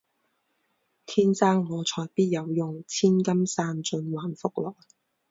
天生我材必有用，千金散尽还复来